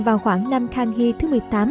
vào khoảng năm khang hy thứ một mươi tám